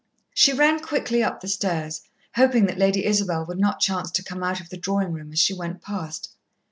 She ran quickly up the stairs, hoping that Lady Isabel would not chance to come out of the drawing room as she went past.